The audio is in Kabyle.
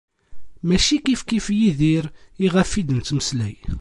Mačči kifkif Yidir iɣef d-nettmeslay.